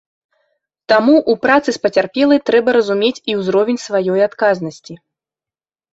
Таму ў працы з пацярпелай трэба разумець і ўзровень сваёй адказнасці.